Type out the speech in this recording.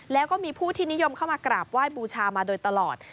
แล้วก็มีผู้ที่นิยมเข้ามากราบไหว้บูชามาโดยตลอด